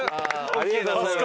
ありがとうございます。